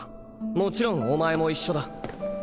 もちろんお前も一緒だ。